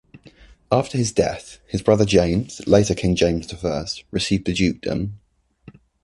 After his death, his brother James, later King James the First, received the dukedom.